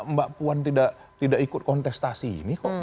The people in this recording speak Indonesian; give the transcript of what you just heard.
mbak puan tidak ikut kontestasi ini kok